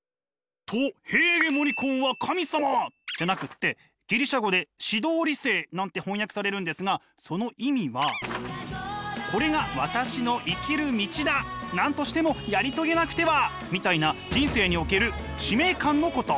じゃなくってギリシャ語で「指導理性」なんて翻訳されるんですがその意味は「これが私の生きる道だなんとしてもやり遂げなくては」みたいな人生における使命感のこと。